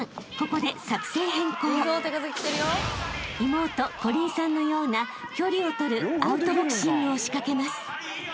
［妹縞鈴さんのような距離を取るアウトボクシングを仕掛けます］